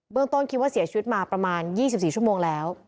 ต้นคิดว่าเสียชีวิตมาประมาณ๒๔ชั่วโมงแล้ว